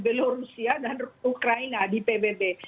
belorusia dan ukraina di pbb